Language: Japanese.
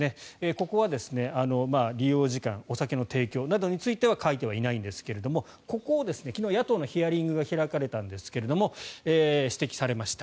ここは利用時間お酒の提供などについては書いてはいないんですがここを昨日、野党のヒアリングが開かれたんですが指摘されました。